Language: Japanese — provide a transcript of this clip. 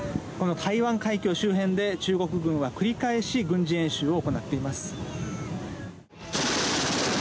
台湾海峡周辺で中国軍は繰り返し軍事演習を行っています。